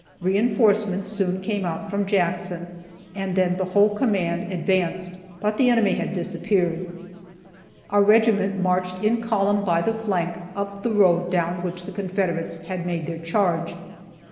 Reinforcements soon came out from Jackson, and then the whole command advanced, but the enemy had disappeared. Our regiment marched in column by the flank up the road down which the Confederates had made their charge.